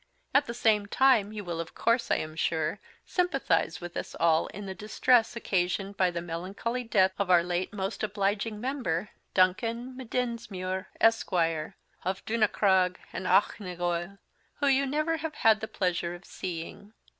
At the same Time, you will of course, I am sure, Sympathise with us all in the distress Occasioned by the melancholy Death of our late Most Obliging Member, Duncan M'Dunsmuir, Esquire, of Dhunacrag and Auchnagoil, who you never have had the Pleasure of seeing.